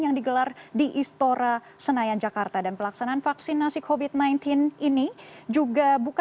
terima kasih bapak mudah mudahan perhatian bapak bisa lebih lanjut pak